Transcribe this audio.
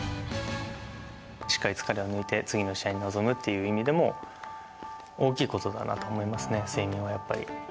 しっかり疲れを抜いて、次の試合に臨むっていう意味でも、大きいことだなと思いますね、睡眠はやっぱり。